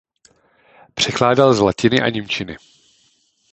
Překládal z latiny a němčiny.